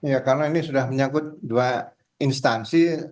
ya karena ini sudah menyangkut dua instansi